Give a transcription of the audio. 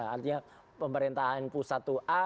artinya pemerintahan pusat itu a